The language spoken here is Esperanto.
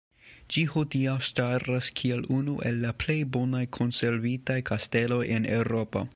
Ĝi hodiaŭ staras kiel unu el la plej bonaj konservitaj kasteloj en Eŭropo.